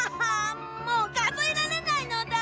もうかぞえられないのだ！